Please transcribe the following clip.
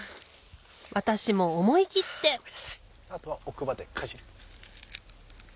私も思い切ってあとは奥歯でかじる。